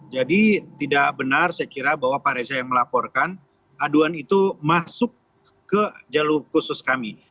jadi tidak benar saya kira bahwa pak reza yang melaporkan aduan itu masuk ke jalur khusus kami